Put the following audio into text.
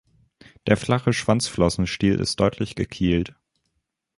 Der flache Schwanzflossenstiel ist deutlich gekielt.